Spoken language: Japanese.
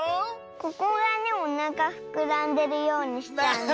ここがねおなかふくらんでるようにしたんだ。